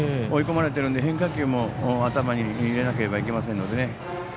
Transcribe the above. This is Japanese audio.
追い込まれてるので変化球も頭に入れなければいけませんので。